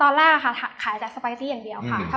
ตอนแรกขายแต่สปาเกตตี้อย่างเดียวค่ะ